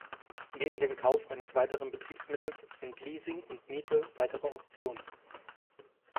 Neben dem Kauf eines weiteren Betriebsmittels sind Leasing und Miete weitere Optionen.